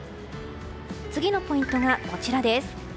次のポイントがこちらです。